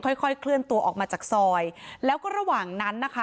ค่อยค่อยเคลื่อนตัวออกมาจากซอยแล้วก็ระหว่างนั้นนะคะ